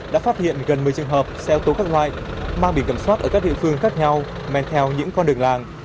đã phát hiện gần một mươi trường hợp xe ô tô các loại mang biển kiểm soát ở các địa phương khác nhau men theo những con đường làng